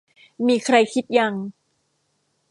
มีใครคิด ยัง